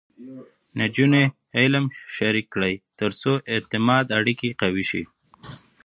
نجونې علم شریک کړي، ترڅو د اعتماد اړیکې قوي شي.